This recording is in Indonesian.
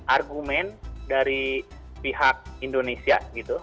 argumen dari pihak indonesia gitu